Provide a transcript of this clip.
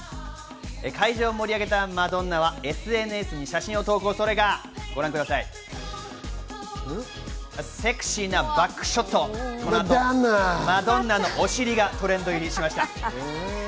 会場を盛り上げたマドンナはＳＮＳに写真を投稿、それがセクシーなバックショット、マドンナのお尻がトレンド入りしました。